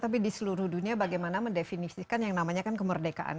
tapi di seluruh dunia bagaimana mendefinisikan yang namanya kan kemerdekaan